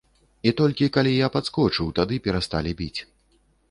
І толькі калі я падскочыў, тады перасталі біць.